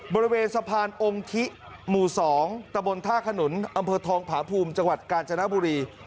บริเวณสะพานองค์ทิหมู่๒ตะบนท่าขนุนอำเภอทองผาภูมิจังหวัดกาญจนบุรี